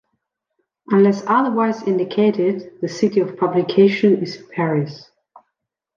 Unless otherwise indicated, the city of publication is Paris.